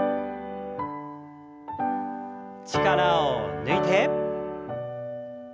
力を抜いて。